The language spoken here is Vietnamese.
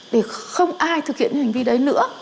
để không ai thực hiện hành vi đấy nữa